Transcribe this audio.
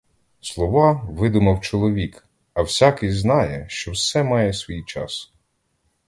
Слова видумав чоловік, а всякий знає, що все має свій час.